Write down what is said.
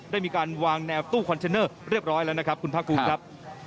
ได้มีการวางแนวตู้คอนเทนเนอร์เรียบร้อยแล้วนะครับคุณภาคภูมิครับ